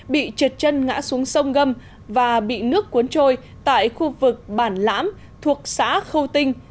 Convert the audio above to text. bị trượt chân ngã xuống sông gâm và bị nước cuốn trôi tại khu vực bản lãm thuộc xã khâu tinh